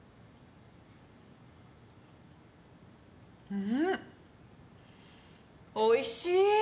うんおいしい！